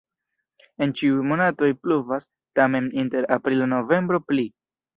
En ĉiuj monatoj pluvas, tamen inter aprilo-novembro pli.